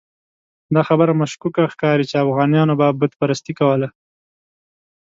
دا خبره مشکوکه ښکاري چې اوغانیانو به بت پرستي کوله.